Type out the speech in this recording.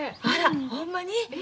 あらほんまに？